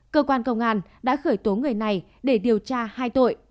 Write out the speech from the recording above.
cơ quan công an đã khởi tố người này để điều tra hai tội